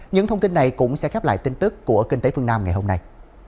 những thông tin này cũng sẽ khép lại tin tức của kinh tế phương nam ngày hôm nay